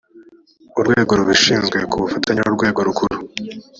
urwego rubishinzwe ku bufatanye n’urwego rukuru